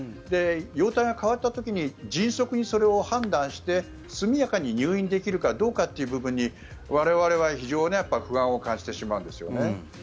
容体が変わった時に迅速にそれを判断して速やかに入院できるかどうかという部分に我々は非常に不安を感じてしまうんですよね。